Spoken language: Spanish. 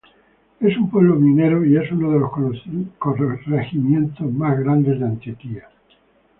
Es un pueblo minero y es uno de los corregimientos más grandes de Antioquia.